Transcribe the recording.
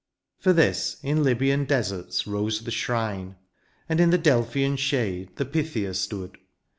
For this, in Lybian deserts rose the shrine,* And in the Delphian shade the Pythia stood.